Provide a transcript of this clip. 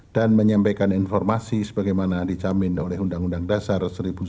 dan menyampaikan informasi sebagaimana dicamin oleh undang undang dasar